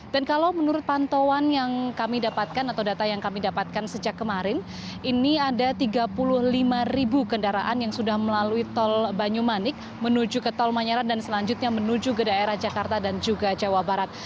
kalau menurut pantauan yang kami dapatkan atau data yang kami dapatkan sejak kemarin ini ada tiga puluh lima ribu kendaraan yang sudah melalui tol banyumanik menuju ke tol manyarat dan selanjutnya menuju ke daerah jakarta dan juga jawa barat